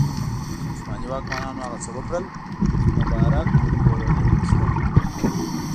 عثماني واکمنانو هغه څه وکړل چې مبارک کورنۍ وروسته وکړل.